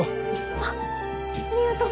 あっありがとう。